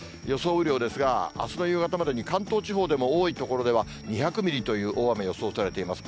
雨量ですが、あすの夕方までに関東地方でも多い所では、２００ミリという大雨予想されています。